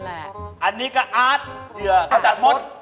อันนี้ก็อาร์ตเหยื่อขจัดมด